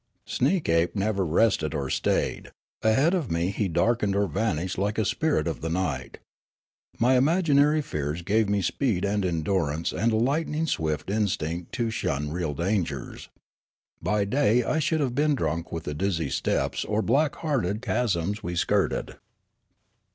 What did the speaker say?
Sneekape never rested or stayed ; ahead of me he darkened or vanished like a spirit of the night. My imaginarj' fears gave me speed and endurance and a lightning swift instinct to shun real dangers. By day I should have been drunk with the dizz}^ steeps or black hearted chasms we skirted.